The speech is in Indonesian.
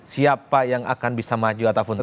siapa yang akan bisa maju ataupun tetap